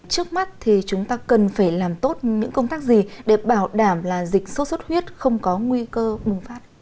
trước mắt thì chúng ta cần phải làm tốt những công tác gì để bảo đảm là dịch sốt xuất huyết không có nguy cơ bùng phát